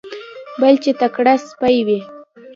بل چې تکړه سپی وي.